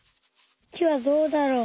木はどうだろう？